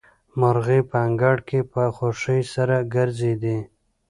مرغۍ په انګړ کې په خوښۍ سره ګرځېدې.